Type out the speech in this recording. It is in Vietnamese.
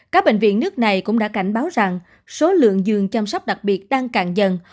các bệnh viện nước này cũng đã cảnh báo rằng số lượng giường chăm sóc đặc biệt đang càng dần